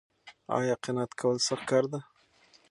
ایا قناعت کول سخت کار دی؟